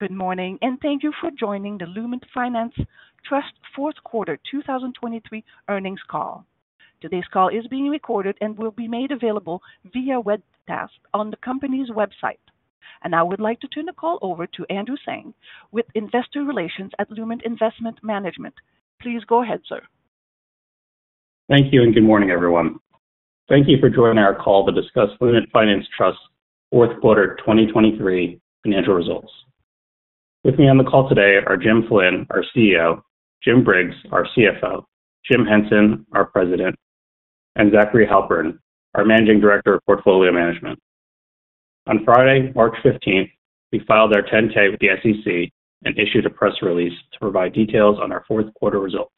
Good morning, and thank you for joining the Lument Finance Trust 4th Quarter 2023 earnings call. Today's call is being recorded and will be made available via webcast on the company's website. I would like to turn the call over to Andrew Tsang, with Investor Relations at Lument Investment Management. Please go ahead, sir. Thank you, and good morning, everyone. Thank you for joining our call to discuss Lument Finance Trust 4th Quarter 2023 financial results. With me on the call today are Jim Flynn, our CEO, Jim Briggs, our CFO, Jim Henson, our President, and Zachary Halpern, our Managing Director of Portfolio Management. On Friday, March 15, we filed our 10-K with the SEC and issued a press release to provide details on our 4th Quarter results.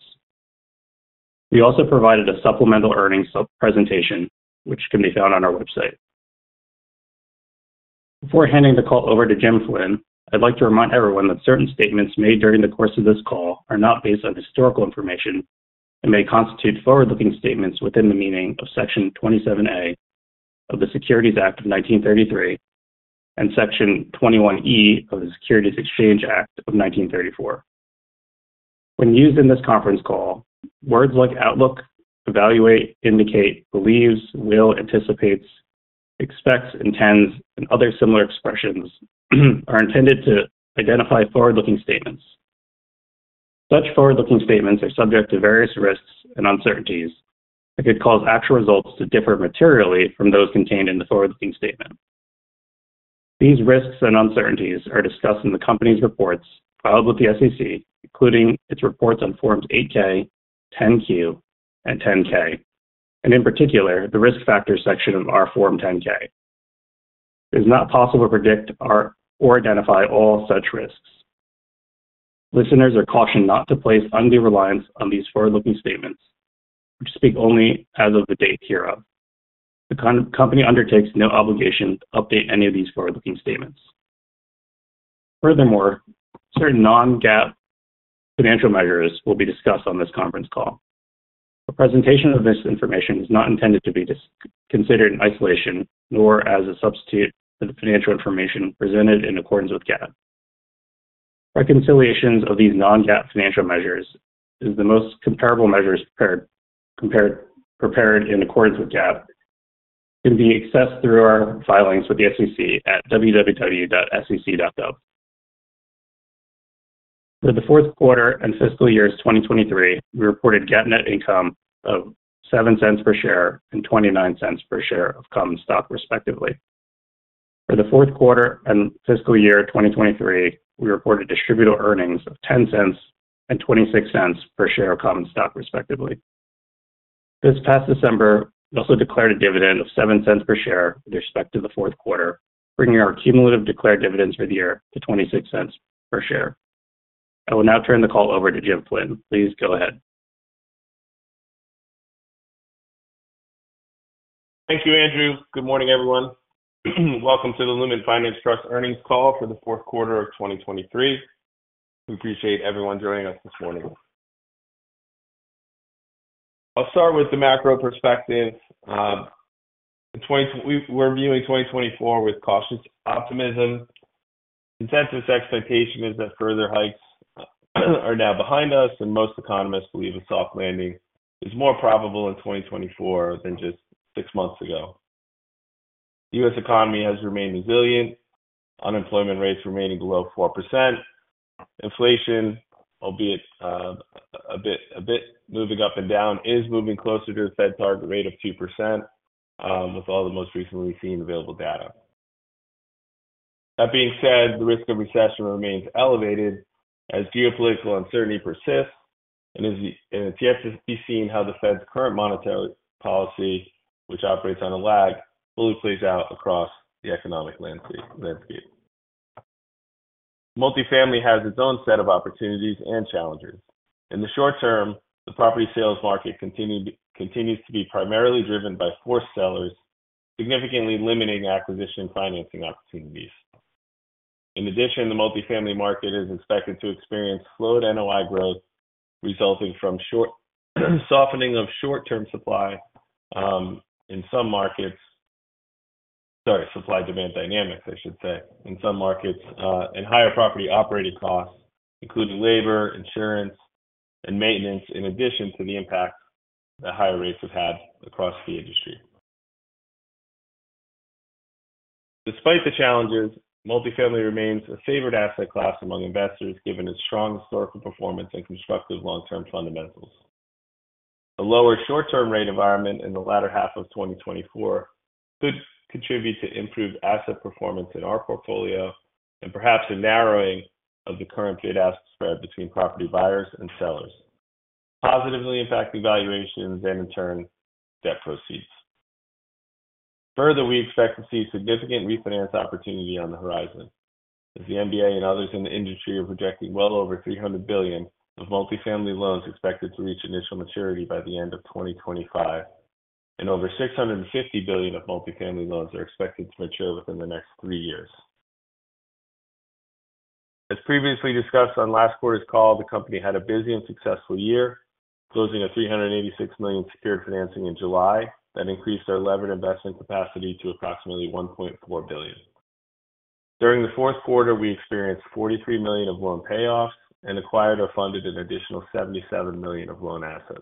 We also provided a supplemental earnings presentation, which can be found on our website. Before handing the call over to Jim Flynn, I'd like to remind everyone that certain statements made during the course of this call are not based on historical information and may constitute forward-looking statements within the meaning of Section 27A of the Securities Act of 1933 and Section 21E of the Securities Exchange Act of 1934. When used in this conference call, words like "outlook," "evaluate," "indicate," "believes," "will," "anticipates," "expects," "intends," and other similar expressions are intended to identify forward-looking statements. Such forward-looking statements are subject to various risks and uncertainties that could cause actual results to differ materially from those contained in the forward-looking statement. These risks and uncertainties are discussed in the company's reports filed with the SEC, including its reports on Forms 8-K, 10-Q, and 10-K, and in particular, the risk factors section of our Form 10-K. It is not possible to predict or identify all such risks. Listeners are cautioned not to place undue reliance on these forward-looking statements, which speak only as of the date hereof. The company undertakes no obligation to update any of these forward-looking statements. Furthermore, certain non-GAAP financial measures will be discussed on this conference call. A presentation of this information is not intended to be considered in isolation nor as a substitute for the financial information presented in accordance with GAAP. Reconciliations of these non-GAAP financial measures as the most comparable measures prepared in accordance with GAAP can be accessed through our filings with the SEC at www.sec.gov. For the 4th Quarter and fiscal years 2023, we reported GAAP net income of $0.07 per share and $0.29 per share of common stock, respectively. For the 4th Quarter and fiscal year 2023, we reported distributable earnings of $0.10 and $0.26 per share of common stock, respectively. This past December, we also declared a dividend of $0.07 per share with respect to the 4th Quarter, bringing our cumulative declared dividends for the year to $0.26 per share. I will now turn the call over to Jim Flynn. Please go ahead. Thank you, Andrew. Good morning, everyone. Welcome to the Lument Finance Trust earnings call for the 4th Quarter of 2023. We appreciate everyone joining us this morning. I'll start with the macro perspective. We're viewing 2024 with cautious optimism. Consensus expectation is that further hikes are now behind us, and most economists believe a soft landing is more probable in 2024 than just six months ago. The U.S. economy has remained resilient, unemployment rates remaining below 4%. Inflation, albeit a bit moving up and down, is moving closer to the Fed target rate of 2% with all the most recently seen available data. That being said, the risk of recession remains elevated as geopolitical uncertainty persists, and it's yet to be seen how the Fed's current monetary policy, which operates on a lag, fully plays out across the economic landscape. Multifamily has its own set of opportunities and challenges. In the short term, the property sales market continues to be primarily driven by forced sellers, significantly limiting acquisition financing opportunities. In addition, the multifamily market is expected to experience slowed NOI growth, resulting from softening of short-term supply in some markets, sorry, supply-demand dynamics, I should say, in some markets and higher property operating costs, including labor, insurance, and maintenance, in addition to the impacts that higher rates have had across the industry. Despite the challenges, multifamily remains a favored asset class among investors given its strong historical performance and constructive long-term fundamentals. A lower short-term rate environment in the latter half of 2024 could contribute to improved asset performance in our portfolio and perhaps a narrowing of the current bid-ask spread between property buyers and sellers, positively impacting valuations and, in turn, debt proceeds. Further, we expect to see significant refinance opportunity on the horizon, as the Mortgage Bankers Association and others in the industry are projecting well over $300 billion of multifamily loans expected to reach initial maturity by the end of 2025, and over $650 billion of multifamily loans are expected to mature within the next three years. As previously discussed on last quarter's call, the company had a busy and successful year, closing at $386 million secured financing in July that increased our levered investment capacity to approximately $1.4 billion. During the 4th quarter, we experienced $43 million of loan payoffs and acquired or funded an additional $77 million of loan assets.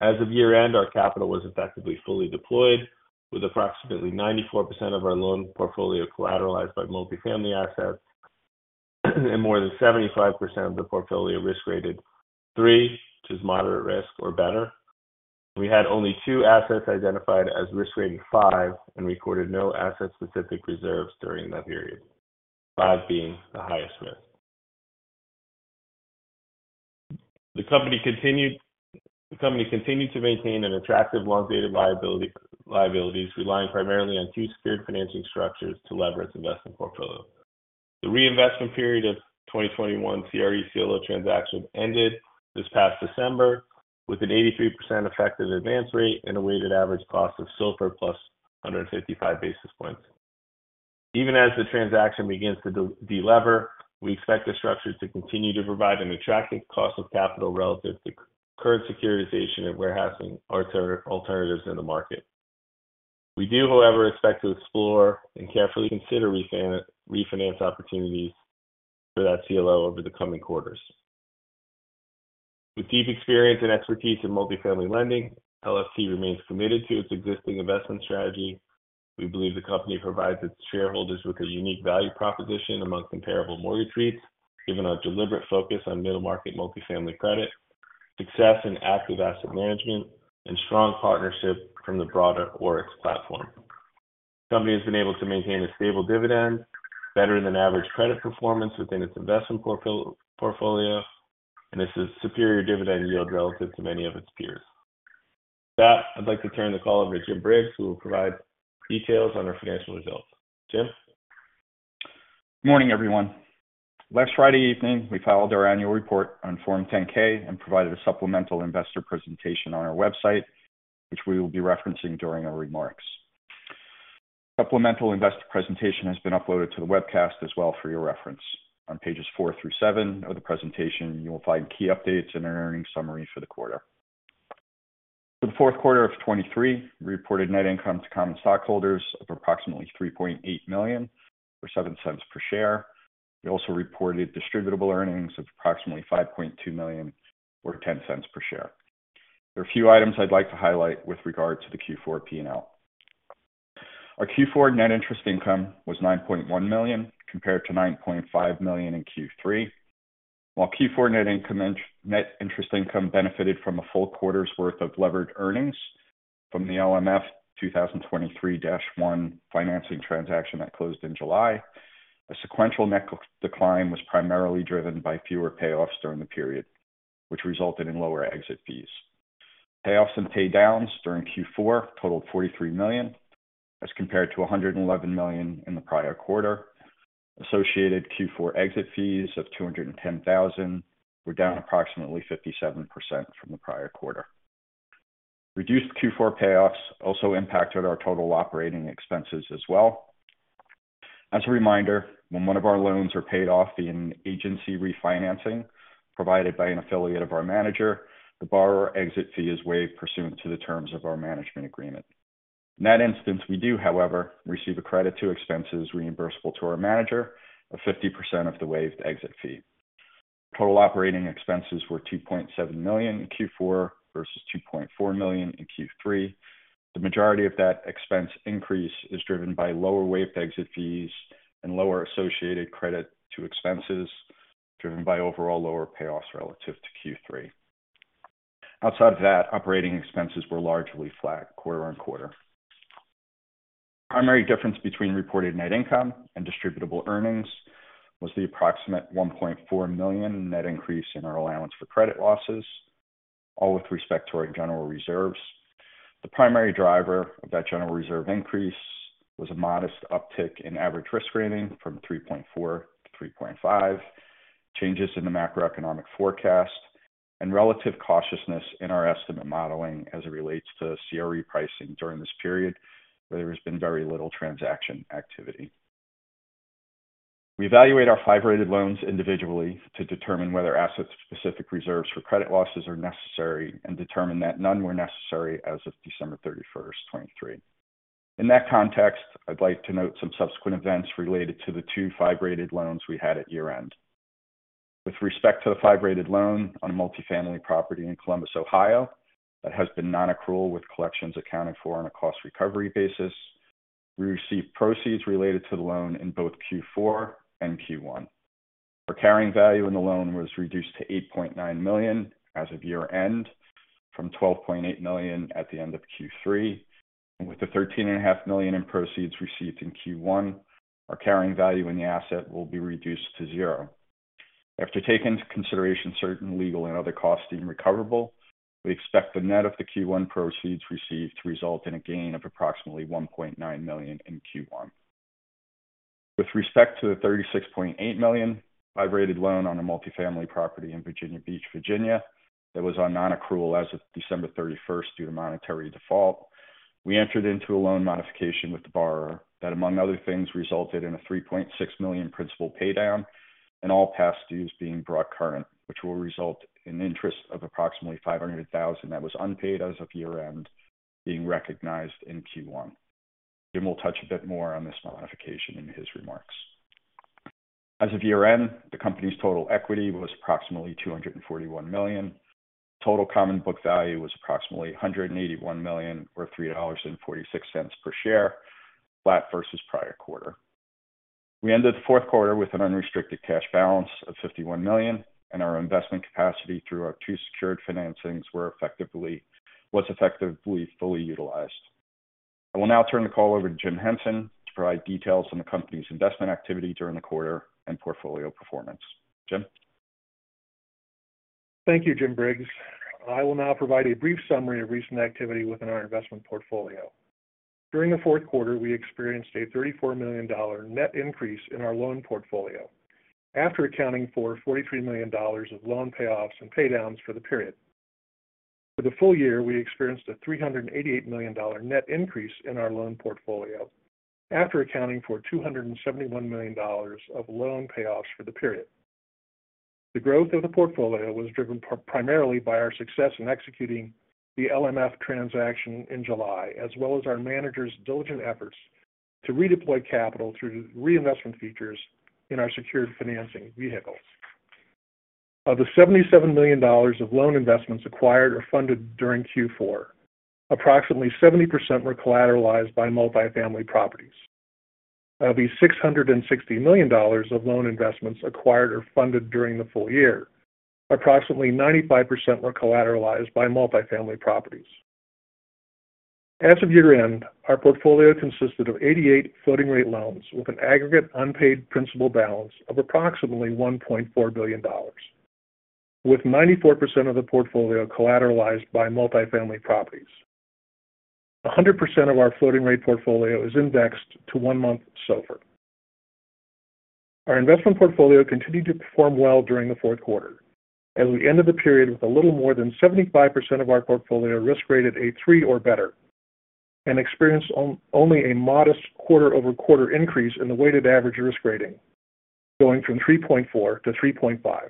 As of year-end, our capital was effectively fully deployed, with approximately 94% of our loan portfolio collateralized by multifamily assets and more than 75% of the portfolio risk-rated 3, which is moderate risk or better. We had only two assets identified as risk-rated five and recorded no asset-specific reserves during that period, five being the highest risk. The company continued to maintain an attractive long-dated liabilities, relying primarily on two secured financing structures to lever its investment portfolio. The reinvestment period of 2021 CRE CLO transaction ended this past December with an 83% effective advance rate and a weighted average cost of SOFR plus 155 basis points. Even as the transaction begins to delever, we expect the structure to continue to provide an attractive cost of capital relative to current securitization and warehousing alternatives in the market. We do, however, expect to explore and carefully consider refinance opportunities for that CLO over the coming quarters. With deep experience and expertise in multifamily lending, LFT remains committed to its existing investment strategy. We believe the company provides its shareholders with a unique value proposition among comparable mortgage REITs, given our deliberate focus on middle-market multifamily credit, success in active asset management, and strong partnership from the broader ORIX platform. The company has been able to maintain a stable dividend, better-than-average credit performance within its investment portfolio, and this is superior dividend yield relative to many of its peers. With that, I'd like to turn the call over to Jim Briggs, who will provide details on our financial results. Jim? Good morning, everyone. Last Friday evening, we filed our annual report on Form 10-K and provided a supplemental investor presentation on our website, which we will be referencing during our remarks. The supplemental investor presentation has been uploaded to the webcast as well for your reference. On Pages 4 through 7 of the presentation, you will find key updates and an earnings summary for the quarter. For the 4th Quarter of 2023, we reported net income to common stockholders of approximately $3.8 million or $0.07 per share. We also reported distributable earnings of approximately $5.2 million or $0.10 per share. There are a few items I'd like to highlight with regard to the Q4 P&L. Our Q4 net interest income was $9.1 million compared to $9.5 million in Q3. While Q4 net interest income benefited from a full quarter's worth of levered earnings from the LMF 2023-1 financing transaction that closed in July, a sequential net decline was primarily driven by fewer payoffs during the period, which resulted in lower exit fees. Payoffs and paydowns during Q4 totaled $43 million as compared to $111 million in the prior quarter. Associated Q4 exit fees of $210,000 were down approximately 57% from the prior quarter. Reduced Q4 payoffs also impacted our total operating expenses as well. As a reminder, when one of our loans are paid off via an agency refinancing provided by an affiliate of our manager, the borrower exit fee is waived pursuant to the terms of our management agreement. In that instance, we do, however, receive a credit-to-expenses reimbursable to our manager of 50% of the waived exit fee. Total operating expenses were $2.7 million in Q4 versus $2.4 million in Q3. The majority of that expense increase is driven by lower waived exit fees and lower associated credit-to-expenses driven by overall lower payoffs relative to Q3. Outside of that, operating expenses were largely flat quarter-over-quarter. The primary difference between reported net income and distributable earnings was the approximate $1.4 million net increase in our allowance for credit losses, all with respect to our general reserves. The primary driver of that general reserve increase was a modest uptick in average risk rating from 3.4 to 3.5, changes in the macroeconomic forecast, and relative cautiousness in our estimate modeling as it relates to CRE pricing during this period where there has been very little transaction activity. We evaluate our five-rated loans individually to determine whether asset-specific reserves for credit losses are necessary and determine that none were necessary as of December 31st, 2023. In that context, I'd like to note some subsequent events related to the two five-rated loans we had at year-end. With respect to the five-rated loan on a multifamily property in Columbus, Ohio, that has been non-accrual with collections accounted for on a cost recovery basis, we received proceeds related to the loan in both Q4 and Q1. Our carrying value in the loan was reduced to $8.9 million as of year-end from $12.8 million at the end of Q3. With the $13.5 million in proceeds received in Q1, our carrying value in the asset will be reduced to zero. After taking into consideration certain legal and other costs being recoverable, we expect the net of the Q1 proceeds received to result in a gain of approximately $1.9 million in Q1. With respect to the $36.8 million five-rated loan on a multifamily property in Virginia Beach, Virginia that was on non-accrual as of December 31st due to monetary default, we entered into a loan modification with the borrower that, among other things, resulted in a $3.6 million principal paydown and all past dues being brought current, which will result in interest of approximately $500,000 that was unpaid as of year-end being recognized in Q1. Jim will touch a bit more on this modification in his remarks. As of year-end, the company's total equity was approximately $241 million. Total common book value was approximately $181 million or $3.46 per share, flat versus prior quarter. We ended the 4th quarter with an unrestricted cash balance of $51 million, and our investment capacity through our two secured financings was effectively fully utilized. I will now turn the call over to Jim Henson to provide details on the company's investment activity during the quarter and portfolio performance. Jim? Thank you, Jim Briggs. I will now provide a brief summary of recent activity within our investment portfolio. During the 4th quarter, we experienced a $34 million net increase in our loan portfolio after accounting for $43 million of loan payoffs and paydowns for the period. For the full year, we experienced a $388 million net increase in our loan portfolio after accounting for $271 million of loan payoffs for the period. The growth of the portfolio was driven primarily by our success in executing the LMF transaction in July as well as our manager's diligent efforts to redeploy capital through reinvestment features in our secured financing vehicles. Of the $77 million of loan investments acquired or funded during Q4, approximately 70% were collateralized by multifamily properties. Of the $660 million of loan investments acquired or funded during the full year, approximately 95% were collateralized by multifamily properties. As of year-end, our portfolio consisted of 88 floating-rate loans with an aggregate unpaid principal balance of approximately $1.4 billion, with 94% of the portfolio collateralized by multifamily properties. 100% of our floating-rate portfolio is indexed to one-month SOFR. Our investment portfolio continued to perform well during the 4th quarter as we ended the period with a little more than 75% of our portfolio risk-rated a three or better and experienced only a modest quarter-over-quarter increase in the weighted average risk rating, going from 3.4 to 3.5,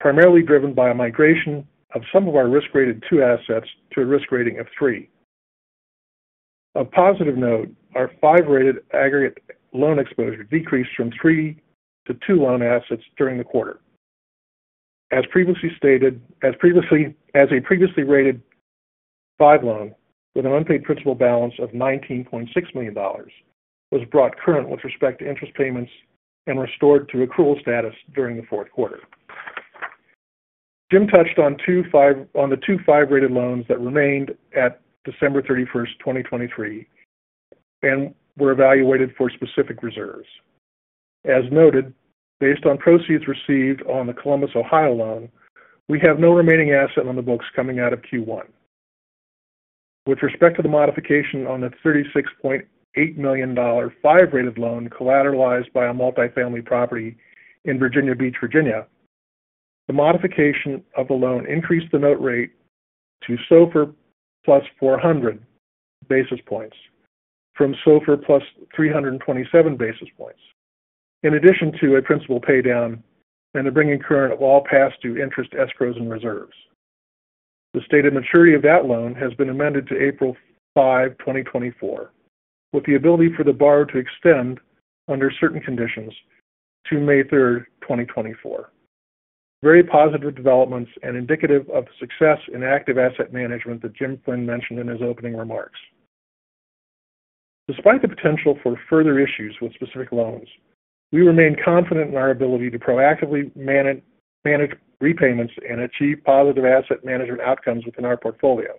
primarily driven by a migration of some of our risk-rated two assets to a risk rating of three. Of positive note, our risk-rated five aggregate loan exposure decreased from three to two loan assets during the quarter. As previously stated, a previously rated five loan with an unpaid principal balance of $19.6 million was brought current with respect to interest payments and restored to accrual status during the 4th quarter. Jim touched on the two five-rated loans that remained at December 31st, 2023, and were evaluated for specific reserves. As noted, based on proceeds received on the Columbus, Ohio loan, we have no remaining asset on the books coming out of Q1. With respect to the modification on the $36.8 million five-rated loan collateralized by a multifamily property in Virginia Beach, Virginia, the modification of the loan increased the note rate to SOFR+ 400 basis points from SOFR+ 327 basis points in addition to a principal paydown and the bringing current of all past due interest, escrows, and reserves. The stated maturity of that loan has been amended to April 5, 2024, with the ability for the borrower to extend under certain conditions to May 3rd, 2024. Very positive developments and indicative of the success in active asset management that Jim Flynn mentioned in his opening remarks. Despite the potential for further issues with specific loans, we remain confident in our ability to proactively manage repayments and achieve positive asset management outcomes within our portfolio,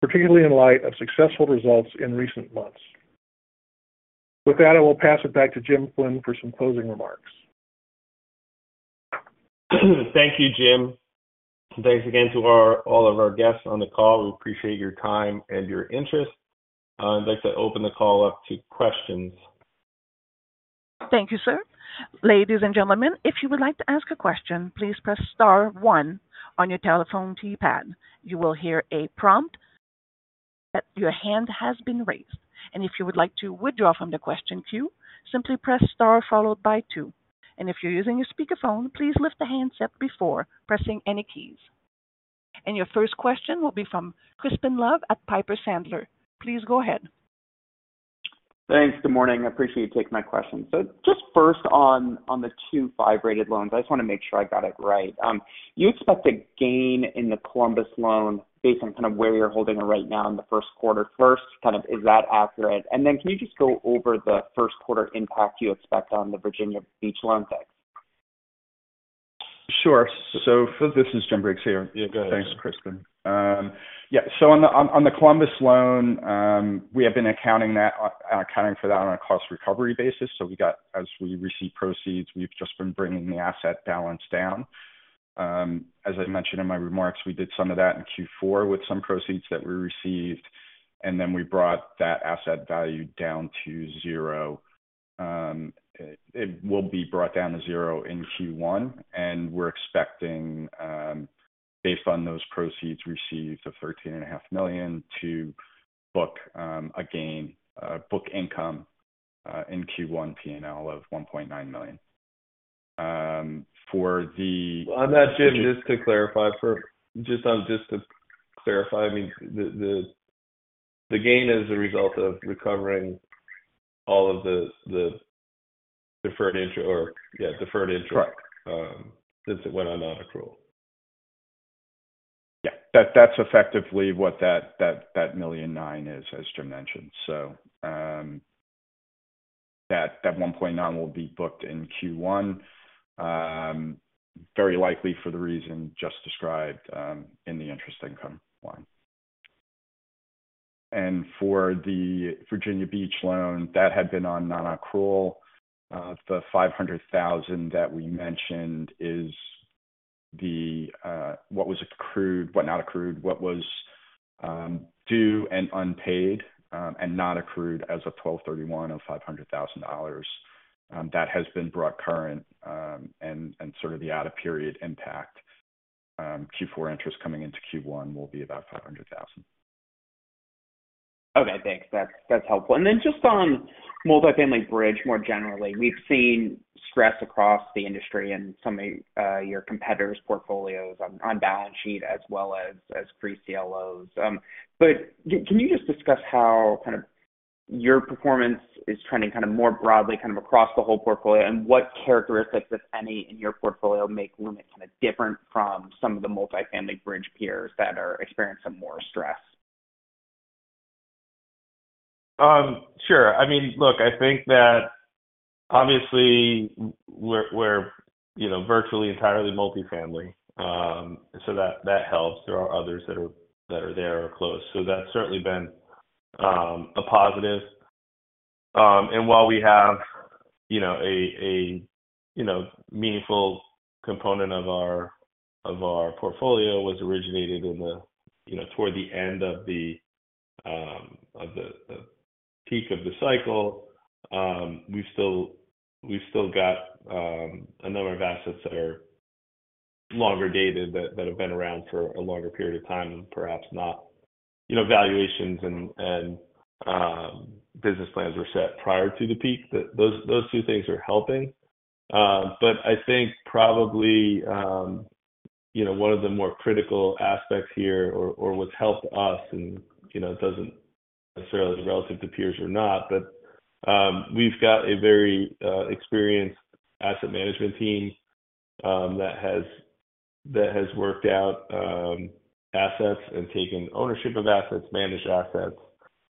particularly in light of successful results in recent months. With that, I will pass it back to Jim Flynn for some closing remarks. Thank you, Jim. Thanks again to all of our guests on the call. We appreciate your time and your interest. I'd like to open the call up to questions. Thank you, sir. Ladies and gentlemen, if you would like to ask a question, please press star one on your telephone keypad. You will hear a prompt that your hand has been raised. If you would like to withdraw from the question queue, simply press star followed by two. If you're using a speakerphone, please lift the handset before pressing any keys. Your first question will be from Crispin Love at Piper Sandler. Please go ahead. Thanks. Good morning. I appreciate you taking my question. So just first on the two 5-rated loans, I just want to make sure I got it right. You expect a gain in the Columbus loan based on kind of where you're holding it right now in the first quarter first. Kind of is that accurate? And then can you just go over the first quarter impact you expect on the Virginia Beach loan? Sure. So this is Jim Briggs here. Yeah, go ahead. Thanks, Crispin. Yeah. So on the Columbus loan, we have been accounting for that on a cost recovery basis. So as we receive proceeds, we've just been bringing the asset balance down. As I mentioned in my remarks, we did some of that in Q4 with some proceeds that we received, and then we brought that asset value down to zero. It will be brought down to zero in Q1. And we're expecting, based on those proceeds received, the $13.5 million to book a gain, book income in Q1 P&L of $1.9 million. For the. Well, I'm not Jim. Just to clarify, I mean, the gain is a result of recovering all of the deferred interest or, yeah, deferred interest since it went on non-accrual. Yeah. That's effectively what that $1.9 million is, as Jim mentioned. So that $1.9 million will be booked in Q1, very likely for the reason just described in the interest income line. And for the Virginia Beach loan, that had been on non-accrual. The $500,000 that we mentioned is what was accrued, what not accrued, what was due and unpaid and not accrued as of 12/31 of $500,000. That has been brought current. And sort of the out-of-period impact, Q4 interest coming into Q1 will be about $500,000. Okay. Thanks. That's helpful. And then just on Multifamily Bridge more generally, we've seen stress across the industry and some of your competitors' portfolios on balance sheet as well as pre-CLOs. But can you just discuss how kind of your performance is trending kind of more broadly kind of across the whole portfolio and what characteristics, if any, in your portfolio make Lument kind of different from some of the Multifamily Bridge peers that are experiencing more stress? Sure. I mean, look, I think that obviously, we're virtually entirely multifamily. So that helps. There are others that are there or close. So that's certainly been a positive. And while we have a meaningful component of our portfolio was originated toward the end of the peak of the cycle, we've still got a number of assets that are longer dated that have been around for a longer period of time and perhaps not valuations and business plans were set prior to the peak. Those two things are helping. But I think probably one of the more critical aspects here or what's helped us and doesn't necessarily relative to peers or not, but we've got a very experienced asset management team that has worked out assets and taken ownership of assets, managed assets.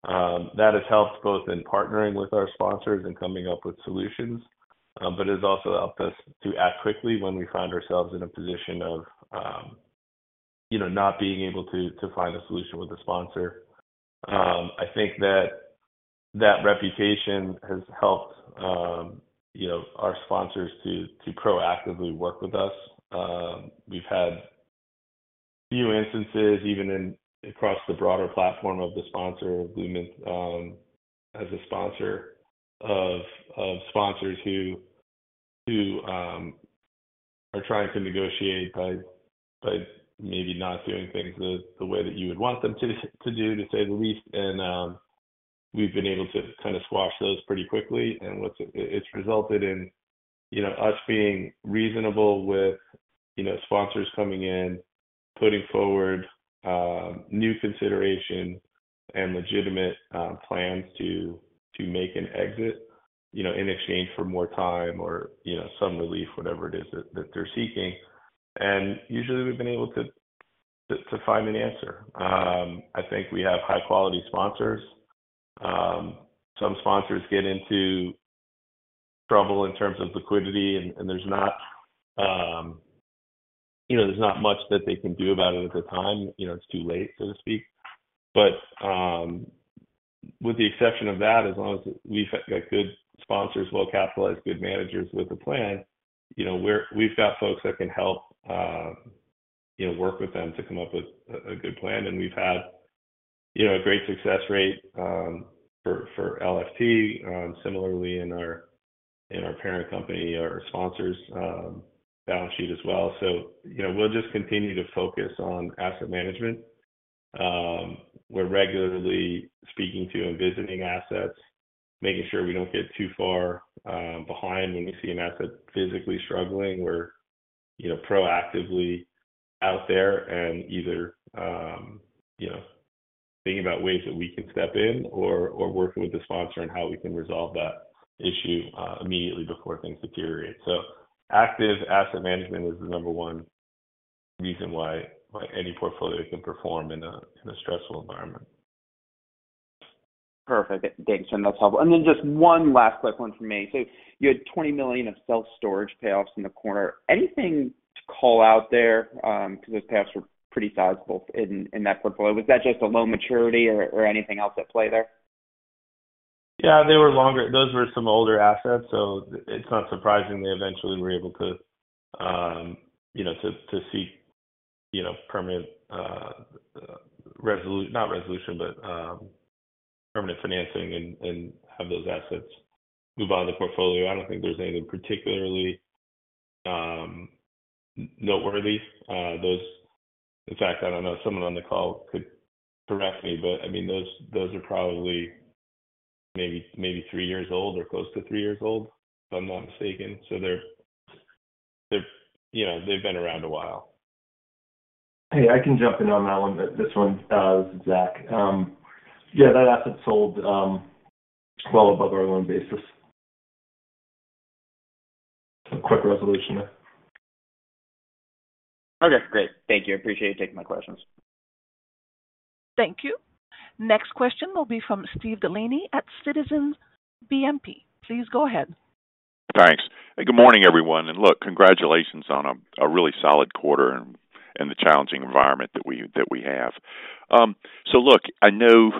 That has helped both in partnering with our sponsors and coming up with solutions, but it has also helped us to act quickly when we find ourselves in a position of not being able to find a solution with a sponsor. I think that that reputation has helped our sponsors to proactively work with us. We've had few instances even across the broader platform of the sponsor, Lument as a sponsor, of sponsors who are trying to negotiate by maybe not doing things the way that you would want them to do, to say the least. And we've been able to kind of squash those pretty quickly. And it's resulted in us being reasonable with sponsors coming in, putting forward new consideration and legitimate plans to make an exit in exchange for more time or some relief, whatever it is that they're seeking. Usually, we've been able to find an answer. I think we have high-quality sponsors. Some sponsors get into trouble in terms of liquidity, and there's not much that they can do about it at the time. It's too late, so to speak. But with the exception of that, as long as we've got good sponsors, well-capitalized, good managers with a plan, we've got folks that can help work with them to come up with a good plan. And we've had a great success rate for LFT, similarly in our parent company, our sponsors' balance sheet as well. So we'll just continue to focus on asset management. We're regularly speaking to and visiting assets, making sure we don't get too far behind when we see an asset physically struggling. We're proactively out there and either thinking about ways that we can step in or working with the sponsor on how we can resolve that issue immediately before things deteriorate. So active asset management is the number one reason why any portfolio can perform in a stressful environment. Perfect. Thanks, Jim. That's helpful. And then just one last quick one from me. So you had $20 million of self-storage payoffs in the quarter. Anything to call out there because those payoffs were pretty sizable in that portfolio? Was that just a loan maturity or anything else at play there? Yeah. Those were some older assets. So it's not surprising they eventually were able to seek permanent not resolution, but permanent financing and have those assets move out of the portfolio. I don't think there's anything particularly noteworthy. In fact, I don't know. Someone on the call could correct me. But I mean, those are probably maybe three years old or close to three years old, if I'm not mistaken. So they've been around a while. Hey, I can jump in on that one. This one, this is Zach. Yeah, that asset sold well above our loan basis. So quick resolution there. Okay. Great. Thank you. I appreciate you taking my questions. Thank you. Next question will be from Steve Delaney at Citizens JMP. Please go ahead. Thanks. Good morning, everyone. And look, congratulations on a really solid quarter and the challenging environment that we have. So look, I know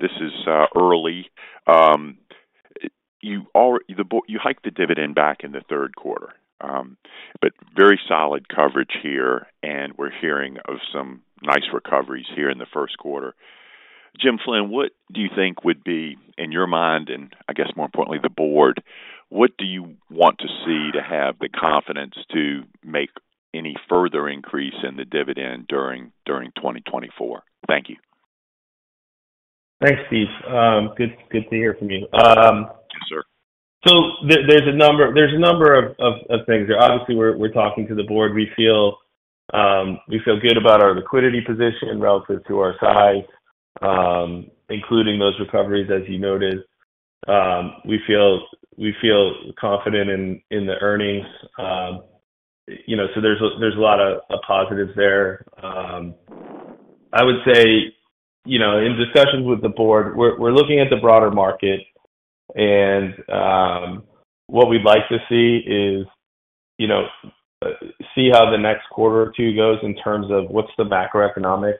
this is early. You hiked the dividend back in the third quarter, but very solid coverage here. And we're hearing of some nice recoveries here in the first quarter. Jim Flynn, what do you think would be, in your mind, and I guess more importantly, the board, what do you want to see to have the confidence to make any further increase in the dividend during 2024? Thank you. Thanks, Steve. Good to hear from you. Yes, sir. So there's a number of things here. Obviously, we're talking to the board. We feel good about our liquidity position relative to our size, including those recoveries, as you noted. We feel confident in the earnings. So there's a lot of positives there. I would say in discussions with the board, we're looking at the broader market. And what we'd like to see is see how the next quarter or two goes in terms of what's the macroeconomic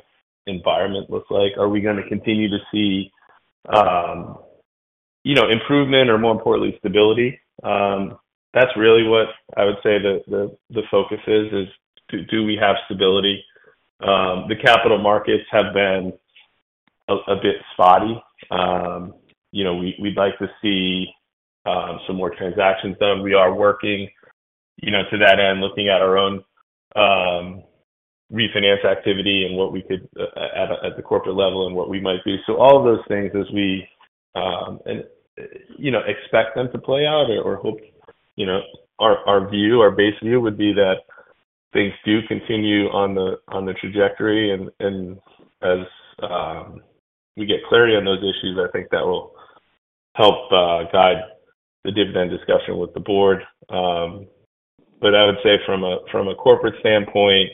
environment look like? Are we going to continue to see improvement or, more importantly, stability? That's really what I would say the focus is, is do we have stability? The capital markets have been a bit spotty. We'd like to see some more transactions done. We are working to that end, looking at our own refinance activity and what we could at the corporate level and what we might do. So all of those things as we expect them to play out or hope. Our view, our base view, would be that things do continue on the trajectory. As we get clarity on those issues, I think that will help guide the dividend discussion with the board. But I would say from a corporate standpoint,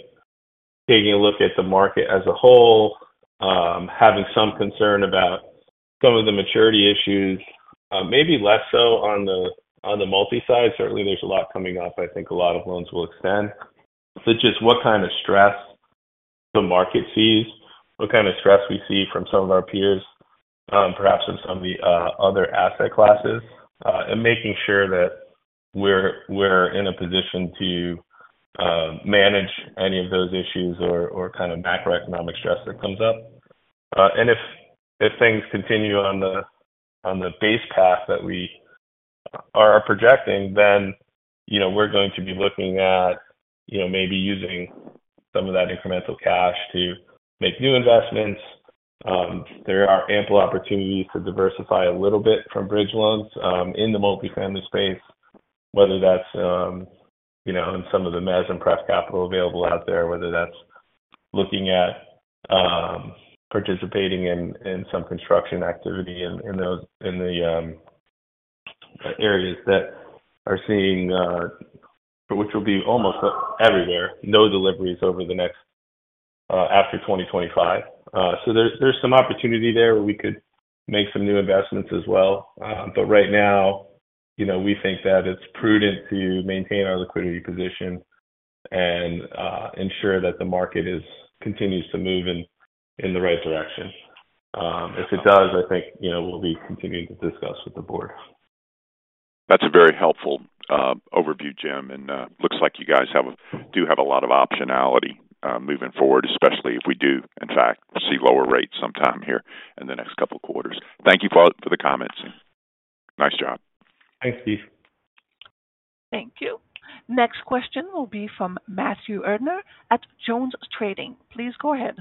taking a look at the market as a whole, having some concern about some of the maturity issues, maybe less so on the multi-side. Certainly, there's a lot coming up. I think a lot of loans will extend. But just what kind of stress the market sees, what kind of stress we see from some of our peers, perhaps from some of the other asset classes, and making sure that we're in a position to manage any of those issues or kind of macroeconomic stress that comes up. If things continue on the base path that we are projecting, then we're going to be looking at maybe using some of that incremental cash to make new investments. There are ample opportunities to diversify a little bit from bridge loans in the multifamily space, whether that's in some of the mezz and pref capital available out there, whether that's looking at participating in some construction activity in the areas that are seeing, which will be almost everywhere, no deliveries over the next after 2025. So there's some opportunity there where we could make some new investments as well. But right now, we think that it's prudent to maintain our liquidity position and ensure that the market continues to move in the right direction. If it does, I think we'll be continuing to discuss with the board. That's a very helpful overview, Jim. Looks like you guys do have a lot of optionality moving forward, especially if we do, in fact, see lower rates sometime here in the next couple of quarters. Thank you for the comments, and nice job. Thanks, Steve. Thank you. Next question will be from Matthew Erdner at JonesTrading. Please go ahead.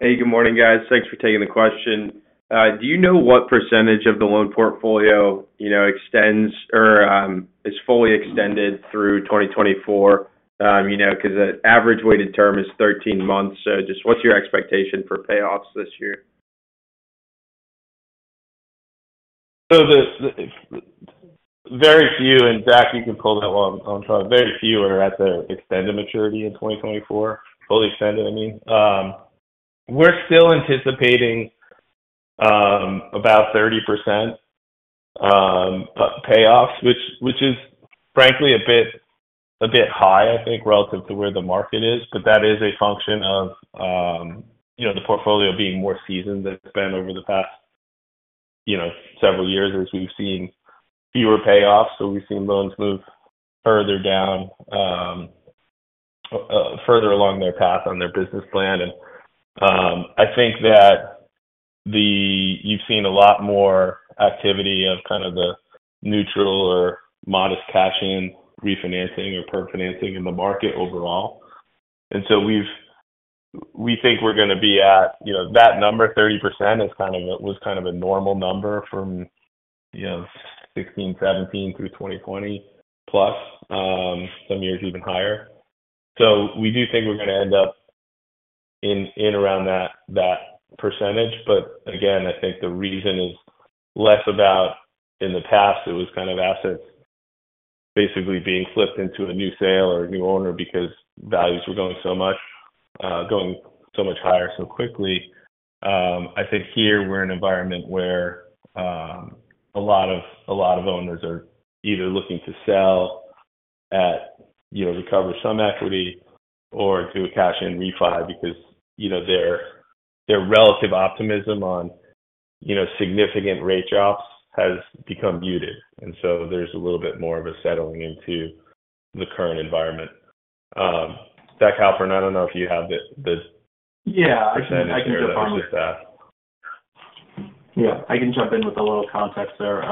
Hey, good morning, guys. Thanks for taking the question. Do you know what percentage of the loan portfolio extends or is fully extended through 2024? Because the average weighted term is 13 months. So just what's your expectation for payoffs this year? So very few. And Zach, you can pull that while I'm trying. Very few are at the extended maturity in 2024, fully extended, I mean. We're still anticipating about 30% payoffs, which is frankly a bit high, I think, relative to where the market is. But that is a function of the portfolio being more seasoned that's been over the past several years as we've seen fewer payoffs. So we've seen loans move further down, further along their path on their business plan. And I think that you've seen a lot more activity of kind of the neutral or modest cash-in, refinancing, or perm financing in the market overall. And so we think we're going to be at that number, 30%, was kind of a normal number from 2016, 2017 through 2020 plus, some years even higher. So we do think we're going to end up in around that percentage. But again, I think the reason is less about in the past, it was kind of assets basically being flipped into a new sale or a new owner because values were going so much, going so much higher so quickly. I think here we're in an environment where a lot of owners are either looking to sell at recover some equity or do a cash-in refi because their relative optimism on significant rate drops has become muted. And so there's a little bit more of a settling into the current environment. Zachary Halpern, I don't know if you have the percentage that. Yeah. I can jump on it. Yeah. I can jump in with a little context there.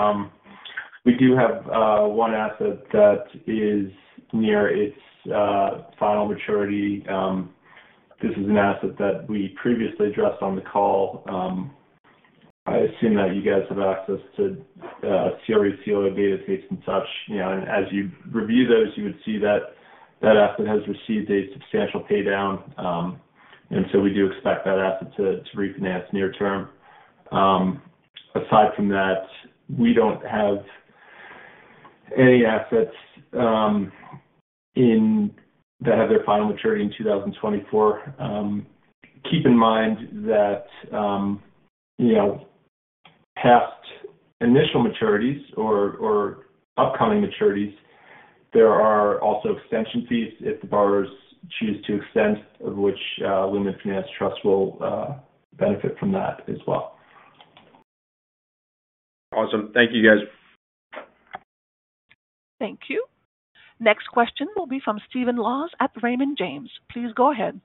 We do have one asset that is near its final maturity. This is an asset that we previously addressed on the call. I assume that you guys have access to CRE CLO datasets, and such. And as you review those, you would see that asset has received a substantial paydown. And so we do expect that asset to refinance near term. Aside from that, we don't have any assets that have their final maturity in 2024. Keep in mind that past initial maturities or upcoming maturities, there are also extension fees if the borrowers choose to extend, of which Lument Finance Trust will benefit from that as well. Awesome. Thank you, guys. Thank you. Next question will be from Stephen Laws at Raymond James. Please go ahead.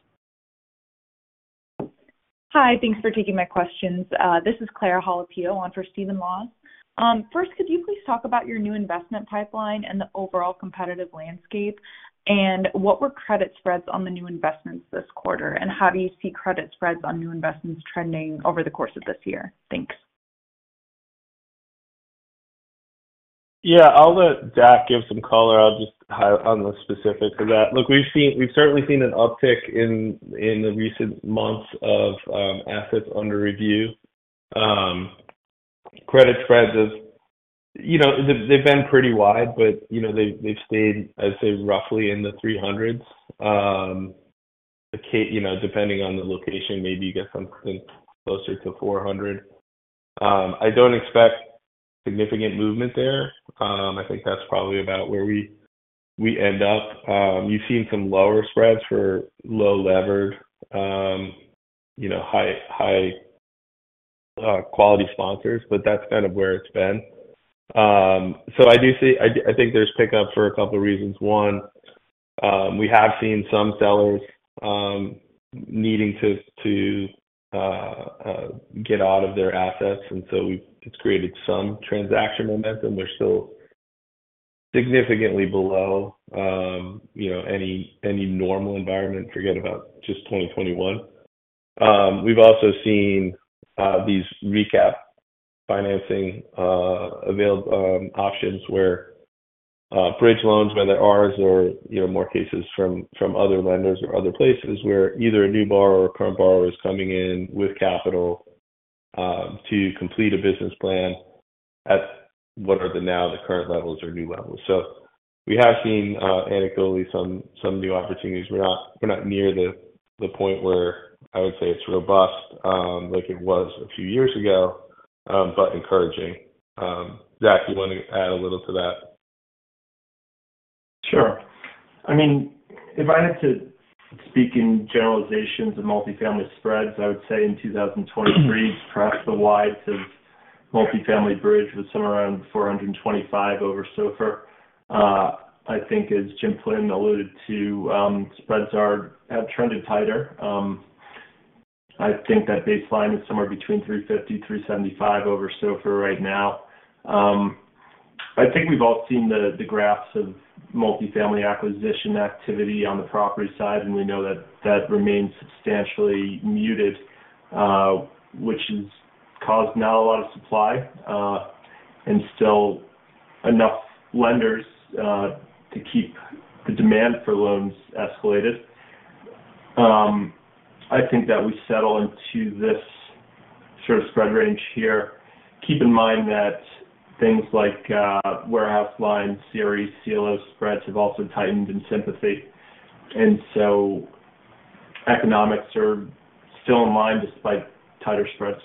Hi. Thanks for taking my questions. This is Clara Halapio on for Stephen Laws. First, could you please talk about your new investment pipeline and the overall competitive landscape and what were credit spreads on the new investments this quarter? And how do you see credit spreads on new investments trending over the course of this year? Thanks. Yeah. I'll let Zach give some color. I'll just chime in on the specifics of that. Look, we've certainly seen an uptick in recent months of assets under review. Credit spreads, they've been pretty wide, but they've stayed, I'd say, roughly in the 300s. Depending on the location, maybe you get something closer to 400. I don't expect significant movement there. I think that's probably about where we end up. You've seen some lower spreads for low-levered, high-quality sponsors, but that's kind of where it's been. So I do see I think there's pickup for a couple of reasons. One, we have seen some sellers needing to get out of their assets. And so it's created some transaction momentum. We're still significantly below any normal environment. Forget about just 2021. We've also seen these recap financing options where bridge loans, whether ours or more cases from other lenders or other places, where either a new borrower or a current borrower is coming in with capital to complete a business plan at what are now the current levels or new levels. So we have seen, anecdotally, some new opportunities. We're not near the point where I would say it's robust like it was a few years ago, but encouraging. Zach, you want to add a little to that? Sure. I mean, if I had to speak in generalizations of multifamily spreads, I would say in 2023, perhaps the widest of multifamily bridge was somewhere around 425 over SOFR. I think, as Jim Flynn alluded to, spreads have trended tighter. I think that baseline is somewhere between 350-375 over SOFR right now. I think we've all seen the graphs of multifamily acquisition activity on the property side. And we know that that remains substantially muted, which has caused not a lot of supply and still enough lenders to keep the demand for loans escalated. I think that we settle into this sort of spread range here. Keep in mind that things like warehouse lines, CRE, CLO spreads have also tightened in sympathy. And so economics are still in line despite tighter spreads.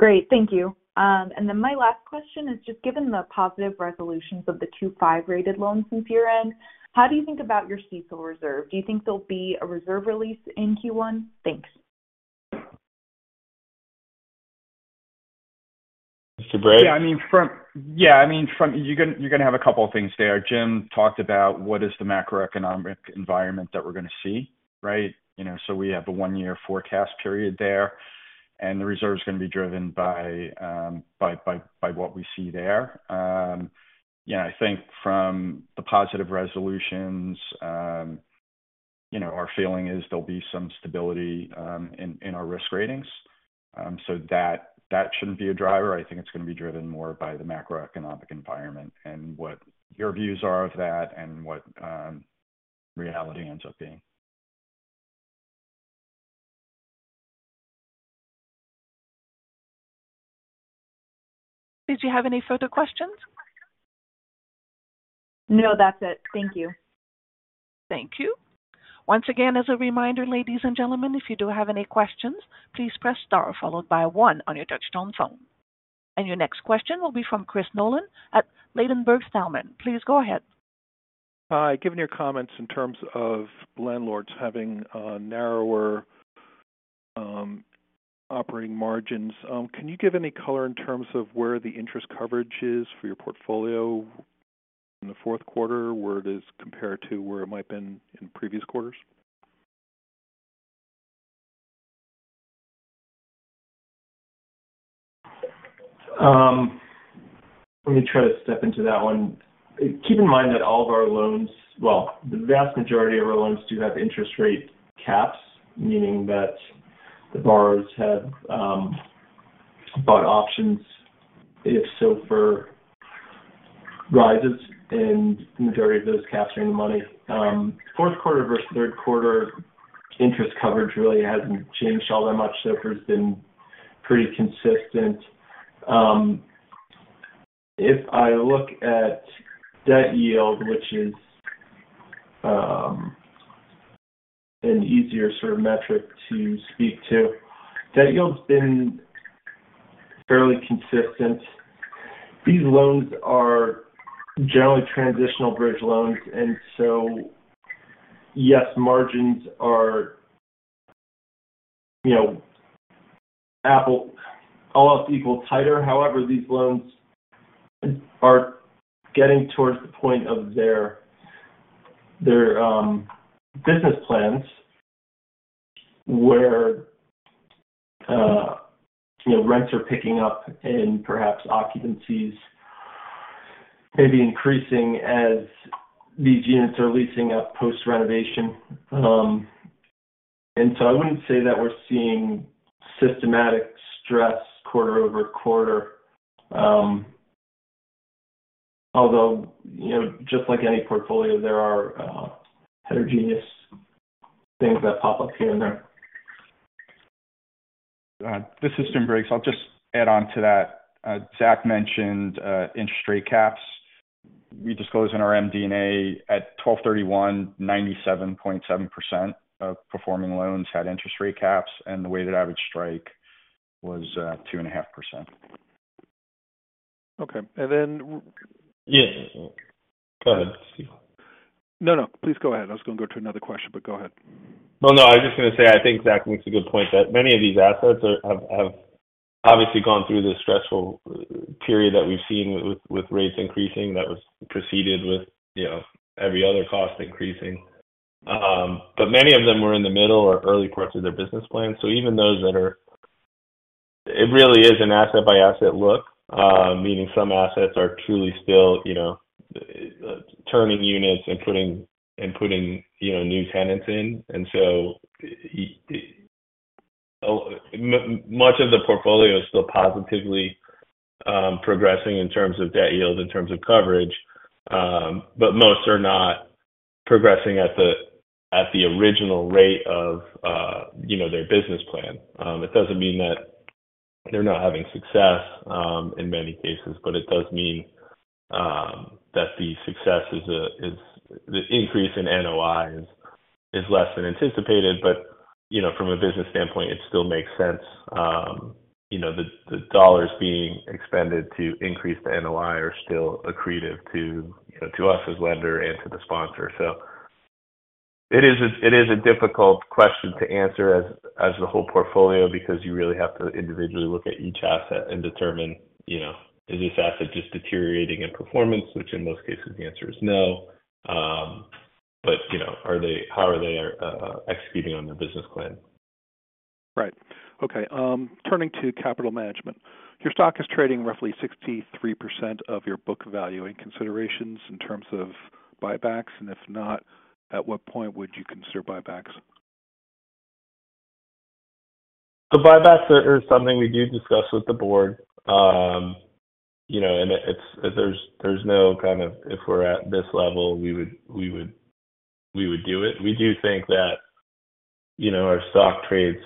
Great. Thank you. And then my last question is just given the positive resolutions of the risk-rated 5 loans since year-end, how do you think about your CECL reserve? Do you think there'll be a reserve release in Q1? Thanks. Mr. Briggs? Yeah. I mean, yeah. I mean, you're going to have a couple of things there. Jim talked about what is the macroeconomic environment that we're going to see, right? So we have a one-year forecast period there. And the reserve is going to be driven by what we see there. I think from the positive resolutions, our feeling is there'll be some stability in our risk ratings. So that shouldn't be a driver. I think it's going to be driven more by the macroeconomic environment and what your views are of that and what reality ends up being. Did you have any further questions? No, that's it. Thank you. Thank you. Once again, as a reminder, ladies and gentlemen, if you do have any questions, please press star followed by one on your touch-tone phone. Your next question will be from Chris Nolan at Ladenburg Thalmann. Please go ahead. Hi. Given your comments in terms of landlords having narrower operating margins, can you give any color in terms of where the interest coverage is for your portfolio in the fourth quarter, where it is compared to where it might have been in previous quarters? Let me try to step into that one. Keep in mind that all of our loans, well, the vast majority of our loans do have interest rate caps, meaning that the borrowers have bought options if SOFR rises. And the majority of those caps are in the money. Fourth quarter versus third quarter, interest coverage really hasn't changed all that much. SOFR has been pretty consistent. If I look at debt yield, which is an easier sort of metric to speak to, debt yield's been fairly consistent. These loans are generally transitional bridge loans. And so yes, margins are all else equal, tighter. However, these loans are getting towards the point of their business plans where rents are picking up and perhaps occupancies may be increasing as these units are leasing up post-renovation. And so I wouldn't say that we're seeing systematic stress quarter-over-quarter. Although, just like any portfolio, there are heterogeneous things that pop up here and there. This is Jim Briggs. I'll just add on to that. Zach mentioned interest rate caps. We disclosed in our MD&A at 12/31, 97.7% of performing loans had interest rate caps. The weighted average strike was 2.5%. Okay. And then. Yeah. Go ahead. Let's see. No, no. Please go ahead. I was going to go to another question, but go ahead. Well, no. I was just going to say I think Zach makes a good point that many of these assets have obviously gone through the stressful period that we've seen with rates increasing that was preceded with every other cost increasing. But many of them were in the middle or early parts of their business plan. So even those that are, it really is an asset-by-asset look, meaning some assets are truly still turning units and putting new tenants in. And so much of the portfolio is still positively progressing in terms of debt yield, in terms of coverage. But most are not progressing at the original rate of their business plan. It doesn't mean that they're not having success in many cases. But it does mean that the success is the increase in NOI is less than anticipated. But from a business standpoint, it still makes sense. The dollars being expended to increase the NOI are still accretive to us as lender and to the sponsor. So it is a difficult question to answer as the whole portfolio because you really have to individually look at each asset and determine, is this asset just deteriorating in performance, which in most cases, the answer is no. But how are they executing on their business plan? Right. Okay. Turning to capital management. Your stock is trading roughly 63% of your book value. Any considerations in terms of buybacks? And if not, at what point would you consider buybacks? Buybacks are something we do discuss with the board. There's no kind of if we're at this level, we would do it. We do think that our stock trades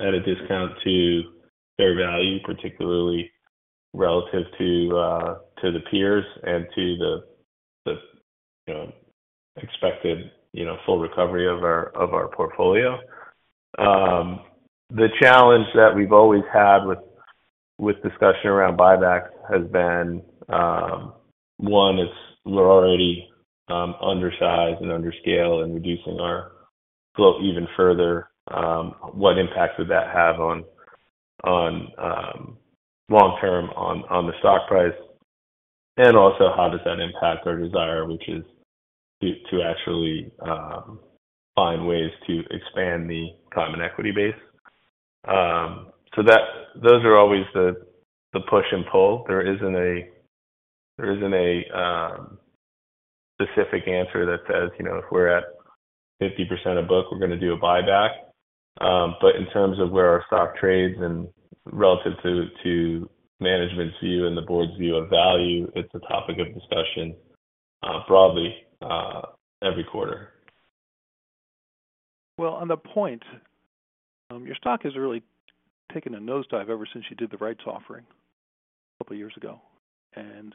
at a discount to fair value, particularly relative to the peers and to the expected full recovery of our portfolio. The challenge that we've always had with discussion around buybacks has been, one, we're already undersized and underscale and reducing our float even further. What impact would that have long-term on the stock price? And also, how does that impact our desire, which is to actually find ways to expand the common equity base? Those are always the push and pull. There isn't a specific answer that says, "If we're at 50% of book, we're going to do a buyback." But in terms of where our stock trades and relative to management's view and the board's view of value, it's a topic of discussion broadly every quarter. Well, on the point, your stock has really taken a nosedive ever since you did the rights offering a couple of years ago. And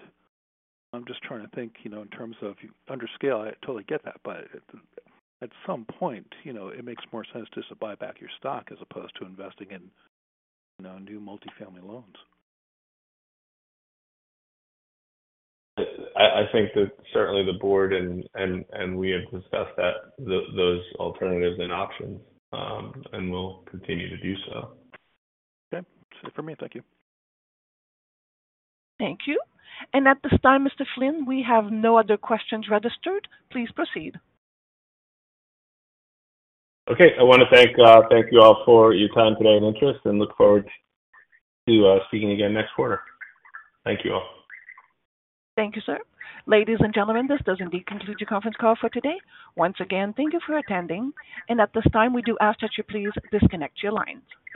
I'm just trying to think in terms of underscale, I totally get that. But at some point, it makes more sense just to buy back your stock as opposed to investing in new multifamily loans. I think that certainly the board and we have discussed those alternatives and options. And we'll continue to do so. Okay. That's it for me. Thank you. Thank you. And at this time, Mr. Flynn, we have no other questions registered. Please proceed. Okay. I want to thank you all for your time today and interest. Look forward to speaking again next quarter. Thank you all. Thank you, sir. Ladies and gentlemen, this does indeed conclude your conference call for today. Once again, thank you for attending. At this time, we do ask that you please disconnect your lines.